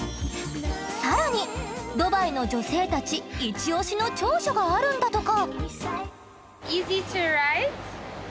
さらにドバイの女性たちイチオシの長所があるんだとか。